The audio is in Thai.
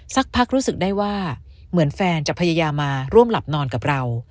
สักพักรู้สึกได้ว่าเหมือนแฟนจะพยายามมาร่วมหลับนอนกับเรา